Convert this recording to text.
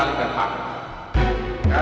haji sulam inihan sengkrr